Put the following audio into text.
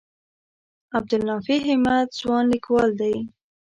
عبدالنافع همت ځوان لیکوال دی.